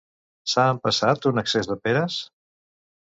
S'ha empassat un excés de peres?